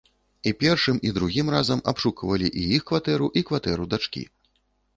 І першым, і другім разам абшуквалі і іх кватэру, і кватэру дачкі.